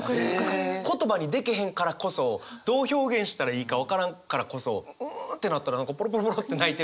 言葉にできへんからこそどう表現したらいいか分からんからこそ「う」ってなったら何かポロポロポロって泣いてる時があって。